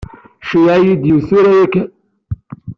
Ceyyeɛ-iyi-d yiwen tura yakan.